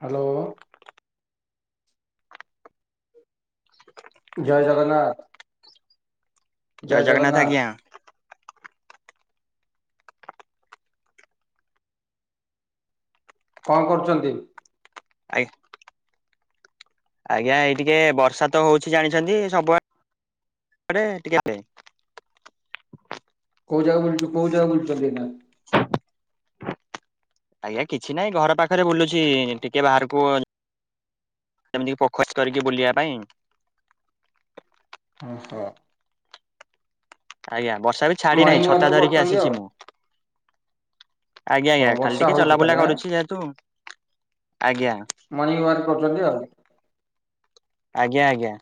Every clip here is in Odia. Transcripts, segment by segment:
ହ୍ୟାଲୋ। ଜୟ ଜଗନ୍ନାଥ। ଜୟ ଜଗନ୍ନାଥ ଆଜ୍ଞା। କଣ କରୁଛନ୍ତି? ଆଇ ଆଜ୍ଞା ଏଇ ଟିକେ ବର୍ଷା ତ ହଉଛି ଜାଣିଛନ୍ତି ସବୁଆଡେ। । [unintelligible] ଆଜ୍ଞା କିଛି ନାହିଁ ଘର ପାଖରେ ବୁଲୁଛି ଟିକେ ବାହାରକୁ ସେମିତି [unintelligible] କରିକି ବୁଲିବା ପାଇଁ। ଓହୋ। ଆଜ୍ଞା ବର୍ଷା ଏବେ ଛାଡି ନାହିଁ ମର୍ଣ୍ଣିଂ ଛତା ୱାର୍କ ଧରିକି କରୁଛନ୍ତି ଆଉ। ଆସିଛି ମୁଁ। ଆଜ୍ଞା ହଉ ଆଜ୍ଞା ଖାଲି ବର୍ଷା ଟିକେ ହଉଛି ତାହେଲେ ଚଲାବୁଲା ଆଁ କରୁଛି ଯେହେତୁ ଆଜ୍ଞା। ମର୍ଣ୍ଣିଂ ୱାର୍କ କରୁଛନ୍ତି ଆଉ। ଆଜ୍ଞା ଆଜ୍ଞା।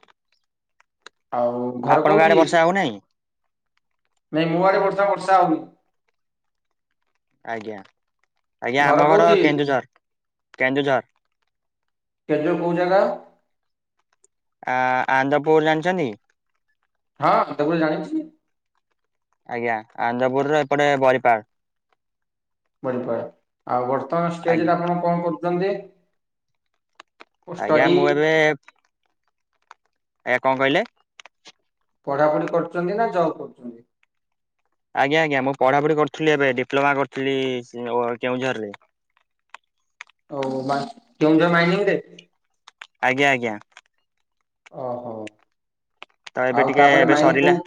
ଆଉ। ଘର ଆପଣଙ୍କ କୋଉଠି? ଆଡେ ବର୍ଷା ହଉନାହିଁ। [unintelligible] ଆଜ୍ଞା ଆଜ୍ଞା ଆମ ଘର କେନ୍ଦୁଝର କେନ୍ଦୁଝର। [unintelligible] ଆ ଆନ୍ଦପୁର ଜାଣିଛନ୍ତି। ହଁ ସବୁ ଜାଣିଛି। ଆଜ୍ଞା ଆନ୍ଦପୁର ର ଏପଟେ ବରିପାଳ। ବରିପାଲ ଆଉ ବର୍ତ୍ତମାନ ଷ୍ଟେଜ ଆଜ୍ଞା ରେ ଆପଣ କଣ କରୁଛନ୍ତି? ଆଜ୍ଞା ଷ୍ଟଡି ମୁଁ ଏବେ ଆଜ୍ଞା କଣ କହିଲେ? ପଢ଼ାପଢ଼ି କରୁଛନ୍ତି ନା ଜବ୍ କରୁଛନ୍ତି? ଆଜ୍ଞା ଆଜ୍ଞା ମୁଁ ପଢ଼ାପଢ଼ି କରୁଥିଲି ଏବେ ଡିପ୍ଲୋମା କରିଥିଲି କେଉଁଝରରେ। ଓ କେଉଁଝର ମାଇନିଂ ରେ? ଆଜ୍ଞା ଆଜ୍ଞା। ଓ ହଉ। ତ ଏବେ ଆଉ ଟିକେ ତାପରେ ଏବେ ମାଇନିଂ ସରିଲା କୋଉ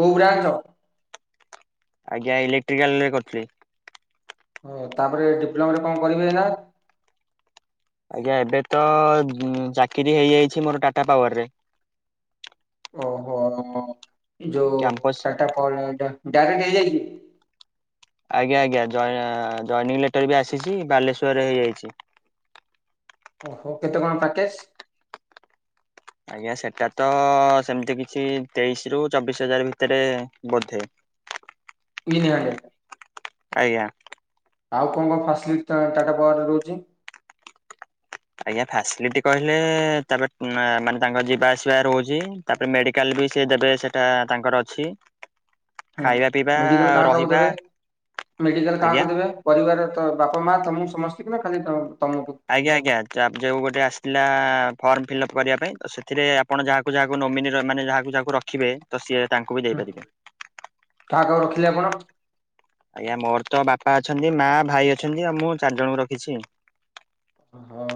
କୋଉ ବ୍ରାଞ୍ଚ୍ ର? ଆଜ୍ଞା ଇଲେକ୍ଟ୍ରିକାଲ ରେ କରିଥିଲି। ହଁ ତାପରେ ଡିପ୍ଲୋମାରେ କଣ କରିବେ ଏଇନା? ଆଜ୍ଞା ଏବେ ତ ଚାକିରି ହେଇଯାଇଛି ମୋର ଟାଟା ପାୱାର ରେ। ଓହୋ ଯୋଉ କ୍ୟାମ୍ପସ ଟାଟା ପାୱର୍ ଡାଇରେକ୍ଟ ହେଇଯାଇଚି। ଆଜ୍ଞା ଆଜ୍ଞା ଜଏନିଂ ଲେଟର ବି ଆସିଛି ବାଲେଶ୍ୱରରେ ହେଇଯାଇଛି। ଓ ହୋ କେତେ କଣ ପ୍ୟାକେଜ? ଆଜ୍ଞା ସେଟା ତ ସେମିତି କିଛି ତେଇଶି ରୁ ଚବିଶ ହଜାର ଭିତରେ ବୋଧେ। [unintelligible] ଆଜ୍ଞା। ଆଉ କଣ କଣ ଫାସିଲିଟି ଟାଟା ପାୱାରରେ ରହୁଛି? ଆଜ୍ଞା ଫାସିଲିଟି କହିଲେ ତାପରେ ମାନେ ତାଙ୍କ ଯିବା ଆସିବା ରହୁଛି। ତାପରେ ମେଡିକାଲ ବି ସେ ଦେବେ ସେଟା ତାଙ୍କର ଅଛି। ହୁଁ ଖାଇବା ପିଇବା ମେଡିକାଲ କାହା କାହାକୁ ରହିବା ଦେବେ ମେଡିକାଲ ଆଜ୍ଞା କାହାକୁ ଦେବେ? ପରିବାର ତ ବାପା ମା ତମକୁ ସମସ୍ତଙ୍କୁ ନା ଖାଲି ତମକୁ? ଆଜ୍ଞା ଆଜ୍ଞା ଯୋଉ ଗୋଟେ ଆସିଥିଲା ଫର୍ମ ଫିଲ୍ଅପ୍ କରିବା ପାଇଁ ତ ସେଥିରେ ଆପଣ ଯାହାକୁ ଯାହାକୁ ନୋମିନି ମାନେ ଯାହାକୁ ଯାହାକୁ ରଖିବେ ତ ସିଏ ତାଙ୍କୁ ବି ଦେଇପାରିବେ। କାହାକୁ କାହାକୁ ରଖିଲେ ଆପଣ? ଆଜ୍ଞା ମୋର ତ ବାପା ଅଛନ୍ତି ମା ଭାଇ ଅଛନ୍ତି ଆଉ ମୁଁ ଚାରି ଜଣଙ୍କୁ ରଖିଛି। ହଁ।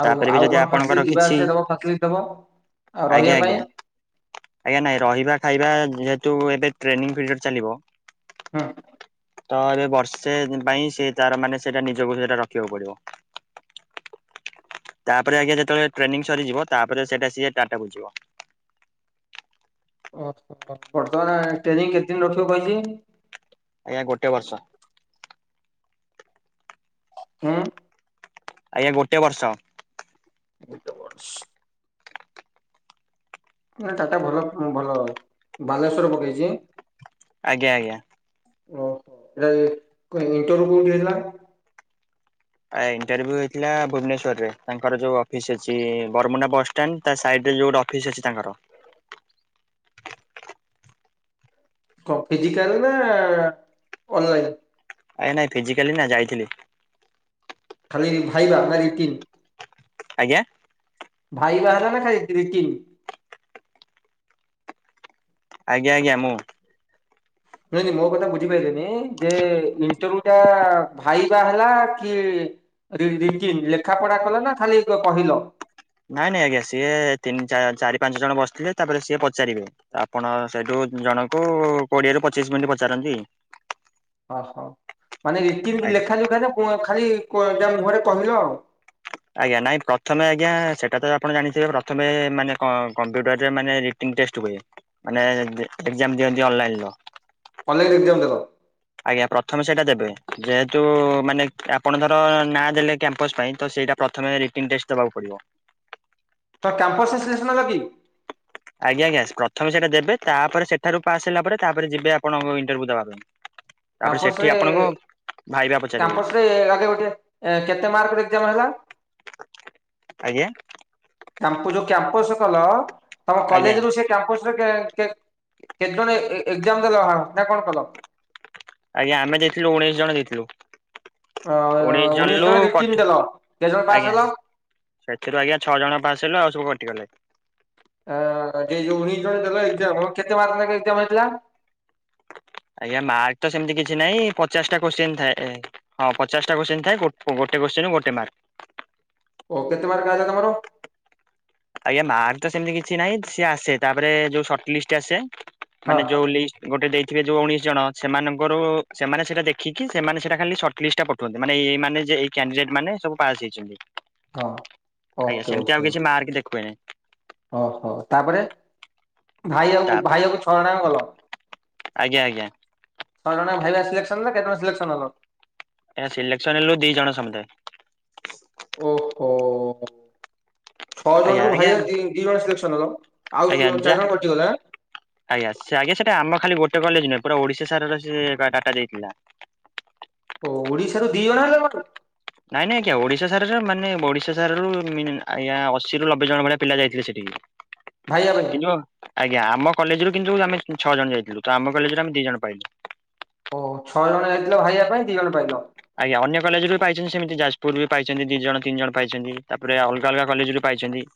ଆଉ ତାପରେ ବି ଆଉ ଯଦି କଣ ଆପଣଙ୍କର ଫାସିଲିଟି ଯିବା କିଛି ଆସିବା ଦବ ଫାସିଲିଟି ଦବ ଆଉ ଆଜ୍ଞା ରହିବା ଆଜ୍ଞା ପାଇଁ? ଆଜ୍ଞା ନାଇଁ ରହିବା ଖାଇବା ଯେହେତୁ ଏବେ ଟ୍ରେନିଂ ପିରିୟଡ଼ ଚାଲିବ। ହଁ। ତ ଏବେ ବର୍ଷେ ପାଇଁ ସେ ତାର ମାନେ ସେଟା ନିଜକୁ ସେଟା ରଖିବାକୁ ପଡିବ। ତାପରେ ଆଜ୍ଞା ଯେତେବେଳେ ଟ୍ରେନିଂ ସରିଯିବ ତାପରେ ସେଟା ସିଏ ଟାଟା ବୁଝିବ। ଓହୋ ବର୍ତ୍ତମାନ ଟ୍ରେନିଂ କେତେଦିନ ରଖିବ କହିଛି? ଆଜ୍ଞା ଗୋଟେ ବର୍ଷ। ହଁ। ଆଜ୍ଞା ଗୋଟେ ବର୍ଷ। ଗୋଟେ ବର୍ଷ। ଟାଟା ଭଲ ଭଲ ବାଲେଶ୍ଵର ରେ ପକେଇଛି। ଆଜ୍ଞା ଆଜ୍ଞା। ଓହୋ ଏଟା ଇଣ୍ଟର୍ଭୁ କୋଉଠି ହେଇଥିଲା? ଆ ଇଣ୍ଟରଭ୍ୟୁ ହେଇଥିଲା ଭୁବନେଶ୍ଵର ରେ ତାଙ୍କର ଯୋଉ ଅଫିସ୍ ଅଛି ବରମୁଣ୍ଡା ବସ୍ ଷ୍ଟାଣ୍ଡ, ତା ସାଇଡ ରେ ଯୋଉ ଗୋଟେ ଅଫିସ୍ ଅଛି ତାଙ୍କର କଣ ଫିଜିକାଲ୍ ନା ଅନଲାଇନ୍? ଆଜ୍ଞା ନାଇଁ ଫିଜିକାଲି ନା ଯାଇଥିଲି। ଖାଲି ଭାଇବା ନା ରିଟିନ୍? ଆଜ୍ଞା। ଭାଇବା ହେଲା ନା ଖାଲି ରିଟିନ୍? ଆଜ୍ଞା-ଆଜ୍ଞା ମୁଁ ନାଇଁ-ନାଇଁ ମୋ କଥା ବୁଝିପାଇଲେନି, ଯେ ଇଣ୍ଟରଭ୍ୟୁ ଟା ଭାଇବା ହେଲା କି ରିଟିନ୍, ଲେଖା ପଢା କଲ ନା ଖାଲି କହିଲ? ନାଇଁ-ନାଇଁ ଆଜ୍ଞା ସିଏ ତିନି ଚାରି ପାଞ୍ଚ ଜଣ ବସିଥିବେ ତାପରେ ସିଏ ପଚାରିବେ। ଆପଣ ସେଇଠୁ ଜଣଙ୍କୁ କୋଡିଏ ରୁ ପଚିଶ ମିନିଟ୍ ପଚାରନ୍ତି। ଓହୋ, ମାନେ ରିଟିନ୍ ଆଜ୍ଞା ଲେଖା ଯୋଉଟା ହେଇଥବ ଖାଲି କ ଯାହା ମୁହଁରେ [unintelligible] ଆଉ। ଆଜ୍ଞା ନାଇଁ ପ୍ରଥମେ ଆଜ୍ଞା ସେଇଟା ତ ଆପଣ ଜାଣିଥିବେ ପ୍ରଥମେ ମାନେ କ କମ୍ପ୍ୟୁଟରରେ ମାନେ ଇଣ୍ଟ୍ରେଷ୍ଟ ହୁଏ ମାନେ ଏକ୍ଜାମ ଦିଅନ୍ତି ଅନଲାଇନ୍ ରେ। ଭଲକିରି ଦିଅନ୍ତୁ। ଆଜ୍ଞା ପ୍ରଥମେ ସେଇଟା ଦେବେ ଯେହେତୁ ମାନେ ଆପଣ ଧର ନାଁ ଦେଲେ କ୍ୟାମ୍ପସ୍ ପାଇଁ ତ [unintelligible] ପ୍ରଥମେ ରିଟିନ୍ ଟେଷ୍ଟ ଦେବାକୁ ପଡିବ। ତ କ୍ୟାମ୍ପସ୍ ରେ ସିଲେକ୍ସନ୍ ହେଲ କି? ଆଜ୍ଞା-ଆଜ୍ଞା ପ୍ରଥମ ସେଟା ଦେବେ, ତାପରେ ସେଠାରୁ ପାସ୍ ହେଲା ପରେ ତାପରେ ଯିବେ ଆପଣଙ୍କ ଇଣ୍ଟରଭିଉ ଦେବା ପାଇଁ। [inaudible] କାମ୍ପସ୍ ସେଠି ରେ ଆପଣଙ୍କୁ ଭାଇବା ପଚାରିବେ କାମ୍ପସ୍ ରେ ଆଗେ ଗୋଟେ କେତେ ମାର୍କ ର ଏକ୍ଜାମ୍ ହେଲା? ଆଜ୍ଞା? [unintelligible] ଯୋଉ କ୍ୟାମ୍ପସ କଲ, ତମ ଆଜ୍ଞା। କଲେଜ୍ ରୁ [inaudible] କ୍ୟାମ୍ପସ୍ ରେ କେ-କେ କେତେ ଜଣ ଏ ଏକ୍ଜାମ୍ ଦେଲ ନା କଣ କଲ? ଆଜ୍ଞା ଆମେ ଦେଇଥିଲୁ ଉଣେଇଶ ଜଣ ଦେଇଥିଲୁ। ଉଣେଇଶ୍ ଉଣେଇଶ ଜଣଲୁ ଜଣ ରିଟିନ ଦେଲ କେତେ ଜଣ ପାସ୍ ହେଲ? [unintelligible] ଆଜ୍ଞା ସେଥିରୁ ଆଜ୍ଞା ଛଅ ଜଣ ପାସ୍ ହେଲୁ, ଆଉ ସବୁ କଟିଗଲୁ। ଅ ଯେ ଯୋଉ ଇଣ୍ଟରଭିଉ ଦେଲ ଏକ୍ଜାମ୍ କେତେ ମାର୍କ ନେଖା ଏକ୍ଜାମ୍ ହେଇଥିଲା? ଆଜ୍ଞା ମାର୍କ ତ ସେମ୍ତି କିଛି ନାଇଁ, ପଚାଶ୍ ଟା କୋଶ୍ଚିନ୍ ଥାଏ। ହଁ ପଚାଶଟା କୋଶ୍ଚିନ୍ ଥାଏ, ଗୋଟ କୋଶ୍ଚିନ୍ କୁ ଗୋଟେ ମାର୍କ। ଓ କେତେ ମାର୍କ ଆଇଲା ତମର? ଆଜ୍ଞା ମାର୍କ ତ ସେମ୍ତି କିଛି ନାହିଁ, ସିଏ ତାପରେ ଯୋଉ ସର୍ଟ ଲିଷ୍ଟ ଆସେ ହଁ ମାନେ ଯୋଉ ଲି ଗୋଟେ ଦେଇଥିବେ ଯୋଉ ଉଣେଇଶ ଜଣ ସେମାନଙ୍କରୁ ସେମାନେ ସେଟା ଦେଖିକି ସେମାନେ ସେଟା ଖାଲି ଲିଷ୍ଟଟା ପଠଉଚନ୍ତି ମାନେ ଏଇ ଏଇ ମାନେ ଯେ ଏଇ କ୍ୟାଣ୍ଡିଡେଟ୍ ମାନେ ସବୁ ପାସ୍ ହେଇଚନ୍ତି। ହଁ ଆଜ୍ଞା ଓକେ ସେମ୍ତି ଓକେ ଆଉ ଓକେ କିଛି ମାର୍କ [unintelligible] ଓହୋ ତାପରେ ଆଜ୍ଞା-ଆଜ୍ଞା। ଛଅ ଜଣ ଭାଇବା ସିଲେକ୍ସନ ନା କେତେ ଜଣ ସିଲେକ୍ସନ? ଏ ସିଲେକ୍ସନ୍ ହେଲୁ ଦି ଜଣ ସମୁଦାୟ। ଓହୋ ଛଅ ଆଜ୍ଞା ଜଣରୁୁ ଆଜ୍ଞା ଭାଇବା ଦି ଜଣ ସିଲେକ୍ସନ୍ ହେଲ? ଆଉ ଆଜ୍ଞା। ଚାରି ଜଣ କଟିଗଲେ ଆଁ? ଆଜ୍ଞା ସେ ଆଜ୍ଞା ସେଟା ଆମ ଖାଲି ଗୋଟେ କଲେଜ୍ ନୁହେଁ, ପୁରା ଓଡିଶା ସାରା ର ଡାଟା ଦେଇଥିଲା। ଓ ଓଡିଶାରୁ ଦି ଜଣ [inaudible] ନାଇଁ-ନାଇଁ ଆଜ୍ଞା ଓଡିଶା ସାରା ରୁ ମାନେ ଓଡିଶା ସାରାରୁ ଆଜ୍ଞା ଅଶି ଲବେ ଜଣ ଭଳିଆ ପିଲା ଯାଇଥିବେ ସେଠିକି। [inaudible] ଭାଇଆ ପାଇଁ। କିନ୍ତୁ ଆଜ୍ଞା ଆମ କଲେଜୁ କିନ୍ତୁ ଆମେ ଛଅ ଜଣ ଯାଇଥିଲୁ ତ ଆମ କଲେଜରୁ ଆମେ ଦି ଜଣ ପାଇଲୁ। ଓ ଛଅ ଜଣ ଯାଇଥିଲ ଭାଇବା ପାଇଁ ଦି ଜଣ ପାଇଲ। ଆଜ୍ଞା ଅନ୍ୟ କଲେଜରୁ ବି ପାଇଚନ୍ତି ସେମିତି ଯାଜପୁରରୁ ବି ପାଇଛନ୍ତି ଦି ଜଣ ତିନି ଜଣ ପାଇଛନ୍ତି ତାପରେ ଅଲଗା ଅଲଗା କଲେଜରୁ ପାଇଛନ୍ତି।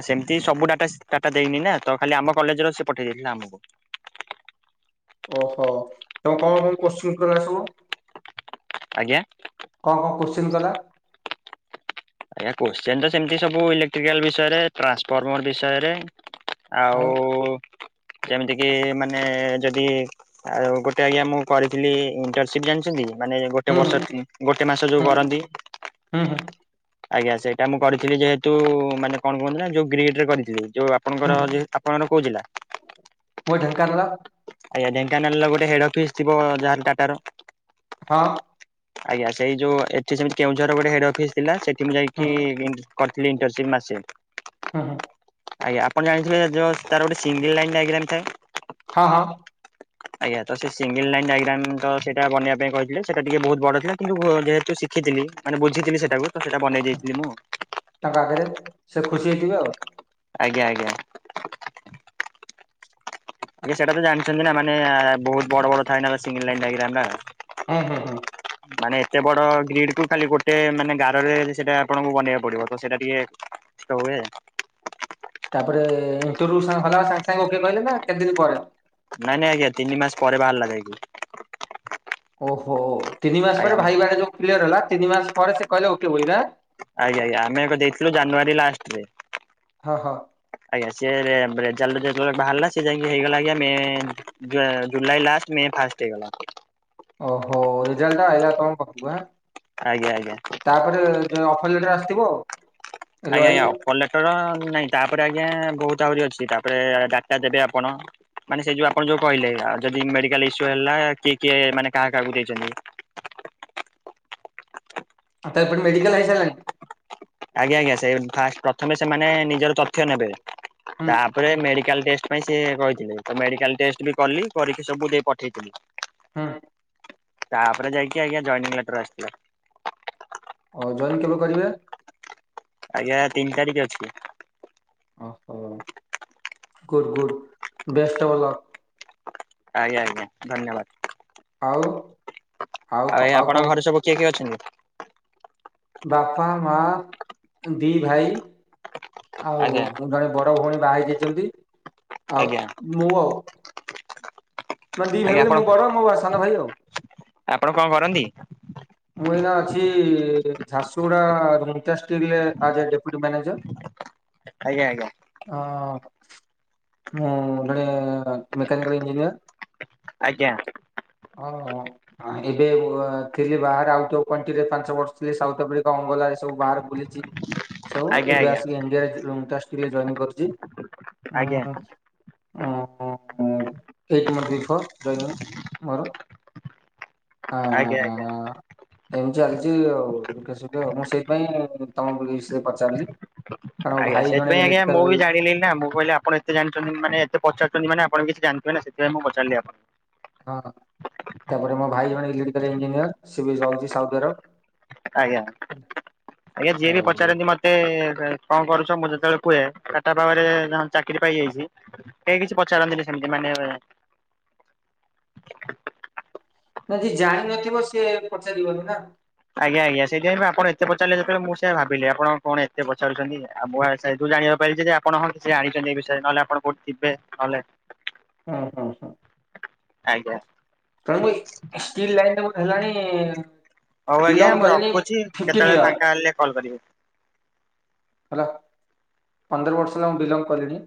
ଆଉ ସେମିତି ସବୁ ଡାଟା ଦେଇନି ନା ତ ଖାଲି ଆମ କଲେଜର ସେ ପଠେଇ ଦେଇଥିଲା ଆମକୁ। ଓହୋ ତମକୁ କଣ କଣ କୁସ୍ଚିନ କଲା ସବୁ? ଆଜ୍ଞା। କଣ, କଣ କୋଶ୍ଚିନ୍ କଲା? ଆଜ୍ଞା କୋଶ୍ଚନ ତ ସେମିତି ସବୁ ଇଲେକ୍ଟ୍ରିକାଲ ବିଷୟରେ ଟ୍ରାନ୍ସଫର୍ମର ବିଷୟରେ। ଆଉ ଯେମିତି କିି ମାନେ ଯଦି ଆଉ ଗୋଟେ ଆଜ୍ଞା ମୁଁ କରିଥିଲି ଇଣ୍ଟରନସିପ୍ ଜାଣିଚନ୍ତି। ମାନେ ଗୋଟେ ହୁଁ ବର୍ଷ ଗୋଟେ ମାସ ଯୋଉ ହୁଁ ହୁଁ କରନ୍ତି। ହୁଁ, ହୁଁ। ଆଜ୍ଞା ସେଇଟା ମୁଁ କରିଥିଲି ଯେହେତୁ ମାନେ କଣ କୁହନ୍ତି ନା ଯୋଉ ଗ୍ରୀଡ ରେ କରିଥିଲି ଯୋଉ ଆପଣଙ୍କର ହୁଁ ଆପଣଙ୍କର କୋଉ ଜିଲା? ମୋ ଢେଙ୍କାନାଳ ଆଜ୍ଞା ଢେଙ୍କାନାଳ ର ଗୋଟେ ହେଡ ଅଫିସ ଥିବ ଯାହାହେଲେ ଟାଟାର। ହଁ। ଆଜ୍ଞା ସେଇ ଯୋଉ ଏଠି ସେମିତି କେଉଁଝର ଗୋଟେ ହେଡ ଅଫିସ ଥିଲା ସେଠି ମୁଁ ହୁଁ ଯାଇକି ହୁଁ ଇଣ୍ଟରନସିପ ମାସେ। ହଁ ହଁ। ଆଜ୍ଞା ଆପଣ ଜାଣିଥିଲେ ଯଉ ତାର ଗୋଟେ ସିଙ୍ଗ ଲାଇନ ଡାଇଗ୍ରମ୍ ଥାଏ। ହଁ ହଁ। [inaudible] ଆଜ୍ଞା ତ ସେ ସିଙ୍ଗଲ ଲାଇନ୍ ଡାଇଗ୍ରାମ ତ ସେଇଟା ବନେଇବା ପାଇଁ କହିଥିଲେ ସେଟା ଟିକେ ବହୁତ ବଡ଼ ଥିଲା କିନ୍ତୁ ଯେହେତୁ ଶିଖିଥିଲି ମାନେ ବୁଝିଥିଲି ସେଟାକୁ ତ ସେଟା ବନେଇ ଦେଇଥିଲ ମୁଁ। ତାଙ୍କ ଆଗରେ ସେ ଖୁସି ହେଇଥିବେ ଆଉ। ଆଜ୍ଞା ଆଜ୍ଞା। ଆଜ୍ଞ ସେଟା ତ ଜାଣିଛନ୍ତି ନା ମାନେ ବହୁତ ବଡ ବଡ ଥାଏ ସିଙ୍ଗଲ ଲାଇନ ଡାଇଗ୍ରାମ ଟା। ହୁଁ ହୁଁ। ମାନେ ଏତେ ବଡ ଗ୍ରୀଡ କୁ ଖାଲି ଗୋଟେ ମାନେ ଗାରରେ ସେଟା ଆପଣଙ୍କୁ ବନେଇବାକୁ ପଡିବ ତ ସେଟା ଟିକେ କଷ୍ଟ ହୁଏ। ତାପରେ ଇଣ୍ଟରଭ୍ୟୁ [unintelligible] ସାଙ୍ଗେ ସାଙ୍ଗେ ଓକେ କହିଲେ ନା କେତେ ଦିନ ପରେ? ନାଇଁ ନାଇ ଆଜ୍ଞା ତିିନି ମାସ ପରେ ବାହାରିଲା ଯାଇକି। ଓହୋ ତିନି ମାସ ଆଜ୍ଞା ପରେ ଭାଇବା ଯଉ କ୍ଲିଅର ହେଲା ତିନି ମାସ ପରେ ସେ କହିଲେ ଓକେ ବୋଲି ନା। ଆଜ୍ଞା ଆଜ୍ଞା ଆମେ ଏବେ ଦେଇଥିଲୁ ଜାନୁଆରୀ ଲାଷ୍ଟରେ। ହଁ ହଁ ଆଜ୍ଞା ସେ ରେଜଲ୍ଟ ଯେତେବେଳେ ବାହାରିଲା ସେ ଯାଇଜି ହେଇଗଲା ଆଜ୍ଞା May July last May first ହେଇଗଲା। ଓହୋ ରେଜଲ୍ଟ ଆଇଲା ତମ ପାଖକୁ ଆ। ଆଜ୍ଞା ଆଜ୍ଞା। ତାପରେ ଅଫର ଲେଟର ଆସିଥିବ। ଏଲ ଆଜ୍ଞା ଆଇ ଆଜ୍ଞା ଅଫର୍ ଲେ ଟର ନାହିଁ ତାପରେ ଆଜ୍ଞା ବହୁତ ଆହୁରି ଅଛି ତାପରେ ଡାଟା ଦେବେ ଆପଣ। ମାନେ ସେ ଯୋଉ ଆପଣ ଯୋଉ କହିଲେ ଯଦି ମେଡିକାଲ ଇସ୍ୟୁ ହେଲା କିଏ କିଏ ମାନେ କାହା କାହାକୁ ଦେଇଛନ୍ତି। ଆ ତା ପରେ ମେଡିକାଲ ଆଇସାରିଲାଣି? ଆଜ୍ଞା ଆଜ୍ଞା ସେ ଫାଷ୍ଟ ପ୍ରଥମେ ସେମାନେ ନିଜର ତଥ୍ୟ ନେବେ ହୁଁ ତାପରେ ମେଡିକାଲ ଟେଷ୍ଟ। ପାଇଁ ସେ କହିଥିଲେ ତ ମେଡିକାଲ ଟେଷ୍ଟ ବି କଲି ପରୀକ୍ଷା ସବୁ ଦେଇ ପଠେଇଥିଲି। ହଁ। ତାପରେ ଯାଇକି ଆଜ୍ଞା ଜଏନିଂ ଲେଟର ଆସିଥିଲା। ଓ ଜଏନ କେବେ କରିବେ? ଆଜ୍ଞା ତିନି ତାରିଖ ଅଛି। ଓହୋ good good best of luck. ଆଜ୍ଞା ଆଜ୍ଞା ଧନ୍ୟବାଦ ଆଉ ଆଉ କ- ଏଇ ଆଉ କଣ ଆପଣଙ୍କ ଘରେ ସବୁ କିଏ କିଏ ଅଛନ୍ତି? ବାପା ମା ଦି ଭାଇ ଆଉ ଆଜ୍ଞା ଜଣେ ବଡ ଭଉଣୀ ବା ହେଇ ଯାଇଛନ୍ତି ଆଉ ଆଜ୍ଞା ମୁଁ ଆଉ ମାନ ଦି ଭାଇ ଆଜ୍ଞା ବୋଲି ଆପଣ ମୁଁ ବଡ ମୋ ସାନ ଭାଇ ଆଉ। ଆପଣ କଣ କରନ୍ତି? ମୁଁ ଏଇନା ଅଛି ଝାରସୁଗୁଡ଼ା ରୁନଟାଷ୍ଟିଲ ରେ ଆଜ ଏ ଡେପୁଟି ମ୍ୟାନେଜର। ଆଜ୍ଞା ଆଜ୍ଞା ହଁ ମୁଁ ଜଣେ ମେକାନିକଲ ଇଞ୍ଜିନିୟର। ଆଜ୍ଞା। ହଁ ଏବେ ତିଲି ବାହାରେ ଆଉଟ ଅଫ କଣ୍ଟ୍ରିରେ ପାଞ୍ଚ ବର୍ଷ ଥିଲେ ସାଉଥ ଆଫ୍ରିକା ଅଙ୍ଗଲା ରେ ସବୁ ବାହାରେ ବୁଲିଛି। ସୋ ଆଜ୍ଞା ଏବେ ଆଜ୍ଞା ଆସିକି ଏଜଏନ୍ କରୁଛି ଆଜ୍ଞା ହମ୍। ଓ ହୋ ମୁଁ ଏଇଟ୍ ମନ୍ଥ ବିଫୋର୍ ଜଏନିଂ ମୋର। ଆଜ୍ଞା ଆଜ୍ଞା। ଏମିତି ଚାଲିଛି ଆଉ ଦୁଖେ ସୁଖେ ମୁଁ ସେଇପାଇଁ ତମକୁ ପଚାରିଲି କାରଣ ମୋ ଆଜ୍ଞା ଭାଇ ଜଣେ ସେଥିପାଇଁ ଆଜ୍ଞା ଇଲେକ୍ଟ୍ରିକାଲ ମୁଁ ବି ଜାଣିଲି ନା ମୁଁ କହିଲି ଆପଣ ଏତେ ଜାଣିଛନ୍ତି ମାନେ ଏତେ ପଚାରୁଛନ୍ତି ମାନେ ଆପଣ କି ଜାଣିଥିବେ ସେଥିାଇଁ ମୁଁ ପଚାରିଲି ଆପଣ ହଁ ତାପରେ ମୋ ଭାଇ ଜଣେ electrical engineer C B G ରହୁଛି ସାଉଦ ଆରବ ଆଜ୍ଞା ଆଜ୍ଞା ଯିଏ ବି ଆଉ ପଚାରନ୍ତି ମ ଏତେ କଣ କରୁଛ ମୁଁ ଯେତେବେଳେ କୁହେ ଟାଟା ପାୱାର ରେ ଚାକିରି ପାଇଯାଇଚି। କେହି କିଛି ପଚାରନ୍ତିନି ସେମିତି ମାନେ ନା ଯିଏ ଜାଣି ନଥିବ ସିଏ ପଚାରିବନି ନା ଆଜ୍ଞା ଆଜ୍ଞା ସେଥିପାଇଁ ଆପଣ ଏତେ ପଚାରିଲେ ଯେତେବେଳେ ମୁଁ ସେୟା ଭାବିଲି ଆପଣ କଣ ଏତେ ପଚାରୁଛନ୍ତି ଆଉ ମୁ ସେଇଠୁ ଜଣିଆକୁ ପାଇଚି ଯେ ଆପଣ ହଁ କିଛି ଜାଣିଛନ୍ତି ଏ ବିଷୟରେ ନହେଲେ ଆପଣ କୋଉ ଥିବେ ନହେଲେ ହଁ ହଁ ହଁ। ଆଜ୍ଞା। ମାମୁନି ଷ୍ଟିଲ ଲାଇନ ଟ ହେଲାଣି। ହଉ ଆଜ୍ଞା ବିଲଙ୍ଗ ମୁଁ କଲିଣି ରଖୁଚି ଫିଫ୍ଟିନ୍ କେତେବେଳେ ଇୟର ଫାଙ୍କା ହେଲେ କଲ୍ କରିବି। ହେଲା ପନ୍ଦର ବର୍ଷ ହେଲା ମୁଁ ବଲଙ୍ଗ କଲିଣିି।